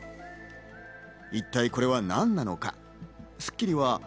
一体これは何なのか。